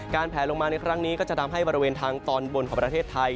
แผลลงมาในครั้งนี้ก็จะทำให้บริเวณทางตอนบนของประเทศไทย